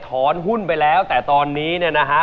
ถอนหุ้นไปแล้วแต่ตอนนี้เนี่ยนะฮะ